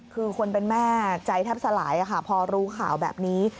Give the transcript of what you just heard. คือคนเป็นแม่ใจแทบสลายพอรู้ข่าวแบบนี้